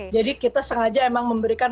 jadi kita sengaja emang memberikan